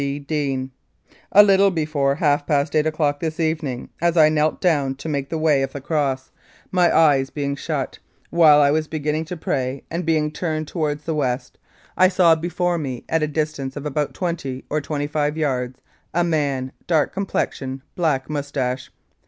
B. DEANE, "A little before half past eight o'clock this evening, as I had knelt down to make the way of the Cross, my eyes 230 Louis Riel: Executed for Treason being shut, while I was beginning to pray, and being turned toward the West, I saw before me at a distance of about twenty or twenty five yards a man, dark complexion, black moustache.